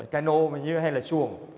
cano hay là xuồng